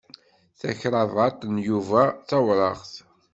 Takrabaṭ n Yuba d tawṛaɣt.